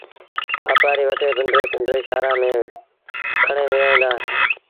وآپآريٚ وٺي پنڊري پنڊري شآهرآݩ ميݩ کڻي وهيݩ دآ